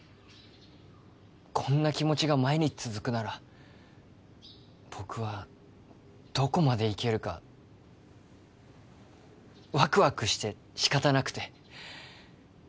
こんな気持ちが毎日続くなら僕はどこまでいけるかワクワクしてしかたなくて